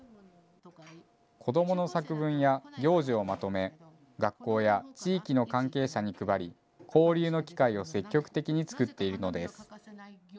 子どもの作文や行事をまとめ、学校や地域の関係者に配り、交流の機会を積極的に作っているのです。